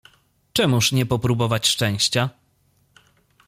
"Czemuż nie popróbować szczęścia?"